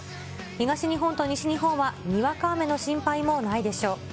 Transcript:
東日本と西日本はにわか雨の心配もないでしょう。